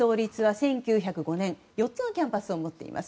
１９０５年４つのキャンパスを持っています。